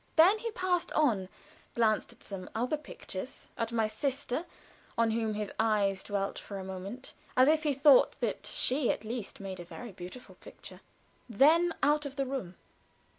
Then he passed on glanced at some other pictures at my sister, on whom his eyes dwelt for a moment as if he thought that she at least made a very beautiful picture; then out of the room.